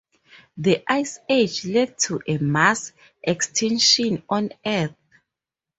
This ice age led to a mass-extinction on Earth.